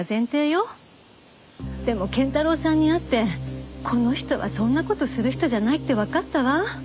でも謙太郎さんに会ってこの人はそんな事する人じゃないってわかったわ。